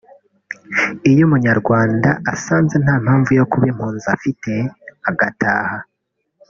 iyo Umunyarwanda asanze nta mpamvu yo kuba impunzi afite agataha